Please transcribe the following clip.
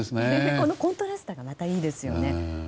このコントラストがまたいいですね。